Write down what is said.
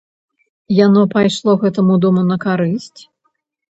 Яно пайшло гэтаму дому на карысць?